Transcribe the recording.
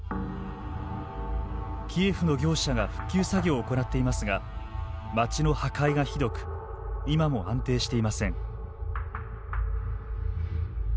キエフの業者が復旧作業を行っていますが街の破壊がひどく今も安定していません。